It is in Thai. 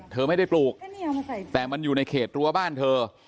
เธอไม่ได้ปลูกแต่มันอยู่ในเขตรั้วบ้านเธอ